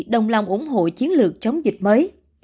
đồng lòng ủng hộ chiến lược chống dịch mới